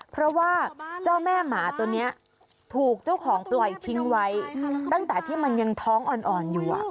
เพราะว่าเจ้าแม่หมาตัวนี้ถูกเจ้าของปล่อยทิ้งไว้ตั้งแต่ที่มันยังท้องอ่อนอยู่